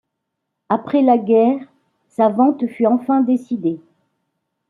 Après la guerre, sa vente fut enfin décidée.